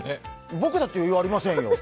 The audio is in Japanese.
僕だって余裕ありませんよ。